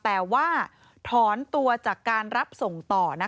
แต่ว่าถอนตัวจากการรับส่งต่อ